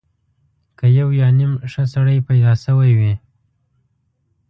که یو یا نیم ښه سړی پیدا شوی وي.